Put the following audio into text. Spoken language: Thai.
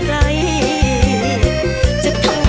จนนาทีสุดท้าย